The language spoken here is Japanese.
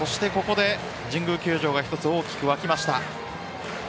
ここで神宮球場が１つ、大きく沸きました。